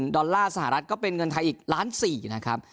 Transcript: ๔๐๐๐๐ดอลลาร์สหรัฐก็เป็นเงินไทยอีก๑๔๐๐๐๐๐บาทนะครับ